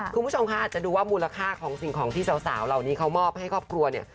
คุณผู้ชมค่ะอาจจะดูว่ามูลค่าของสิ่งของที่สาวเหล่านี้เขามอบให้ครอบครัวเนี่ย